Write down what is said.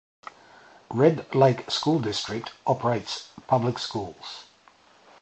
Red Lake School District operates public schools.